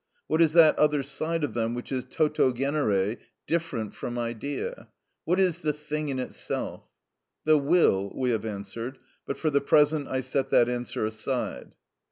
What is that other side of them which is toto genere different from idea? What is the thing in itself? The will, we have answered, but for the present I set that answer aside.